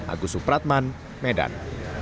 agus supratman medan